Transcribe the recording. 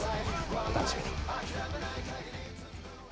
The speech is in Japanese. お楽しみに。